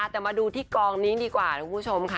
แต่มาดูที่กองนี้ดีกว่านะคุณผู้ชมค่ะ